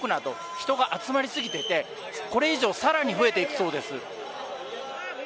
人が集まり過ぎてて、これ以上、さらに増えていくそうです。